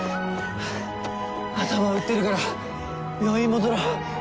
頭打ってるから病院戻ろう。